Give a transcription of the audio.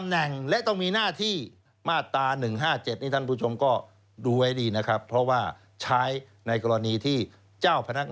นั่นแหละครับบอกว่าเดี๋ยวออกไหมจับเอก